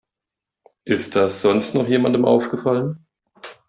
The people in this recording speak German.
Ist das sonst noch jemandem aufgefallen?